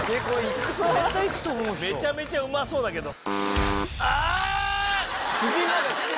めちゃめちゃうまそうだけど。